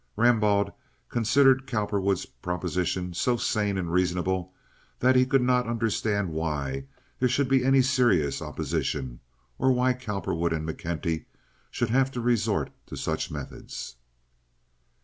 Rambaud considered Cowperwood's proposition so sane and reasonable that he could not understand why there should be serious opposition, or why Cowperwood and McKenty should have to resort to such methods.